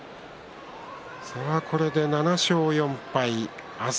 これで７勝４敗、霧島です。